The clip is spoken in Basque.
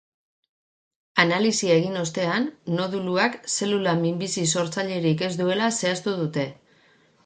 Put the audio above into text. Analisia egin ostean, noduluak zelula minbizi-sortzailerik ez duela zehaztu dute.